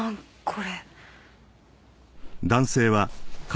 これ。